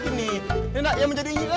ini yang menjadi inyi lagi